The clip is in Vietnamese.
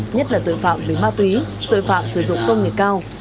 nhất là tội phạm về ma túy tội phạm sử dụng công nghệ cao